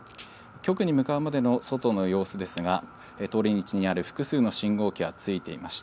局に向かうまでの外の様子ですが、通り道にある複数の信号機はついています。